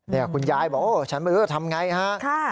นี่คุณยายแบบโอ้ฉันเป็นอื้อทำไงฮะค่ะ